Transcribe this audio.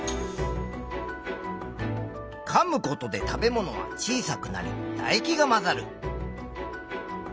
かむことで食べ物は小さくなりだ液が混ざる。